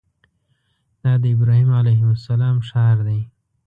دا د ابراهیم علیه السلام ښار دی.